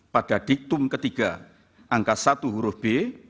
pada diktum ketiga angka satu huruf b